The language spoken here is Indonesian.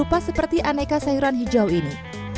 bukti bukti seperti aneka sayuran hijau ini